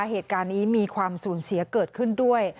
เหตุการณ์นี้มีความสูญเสียเกิดขึ้นด้วย